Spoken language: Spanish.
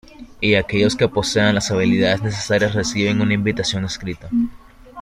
Y aquellos que posean las habilidades necesarias reciben una invitación escrita.